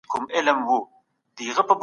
عاجزي انسان لوړوي.